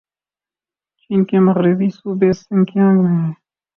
چین کے مغربی صوبے سنکیانگ میں ہے